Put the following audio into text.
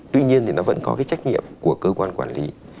tuy nhiên thì nó vẫn có cái trách nhiệm của cơ quan quản lý